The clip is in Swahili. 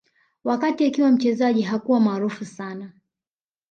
Wakati akiwa mchezaji hakuwa maarufu sana